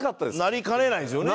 なりかねないですよね。